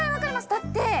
だって。